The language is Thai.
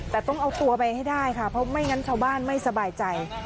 แต่ต้องเอาตัวไปให้ได้ค่ะเพราะไม่งั้นชาวบ้านไม่สบายใจ